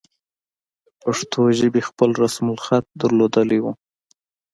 پښتو ژبې خپل رسم الخط درلودلی وو.